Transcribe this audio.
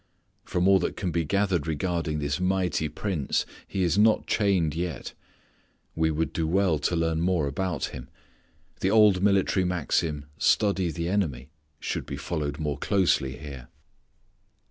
From all that can be gathered regarding this mighty prince he is not chained yet. We would do well to learn more about him. The old military maxim, "Study the enemy," should be followed more closely here.